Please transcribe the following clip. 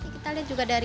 kita lihat juga dari